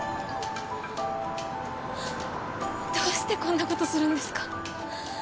どうしてこんなことするんですか？